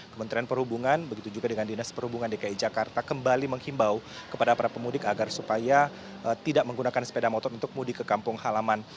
kementerian perhubungan begitu juga dengan dinas perhubungan dki jakarta kembali menghimbau kepada para pemudik agar supaya tidak menggunakan sepeda motor untuk mudik ke kampung halaman